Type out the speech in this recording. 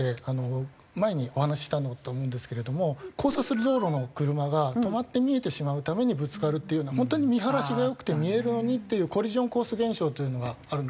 前にお話ししたんだと思うんですけれども交差する道路の車が止まって見えてしまうためにぶつかるっていうのは本当に見晴らしが良くて見えるのにっていうコリジョンコース現象というのがあるんですけれども。